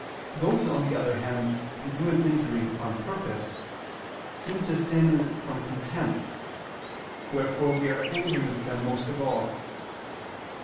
Those, on the other hand, who do an injury on purpose, seem to sin from contempt; wherefore we are angry with them most of all.